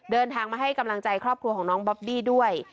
เดินทางมาให้กำลังใจครอบครัวของน้องบอบบี้ด้วย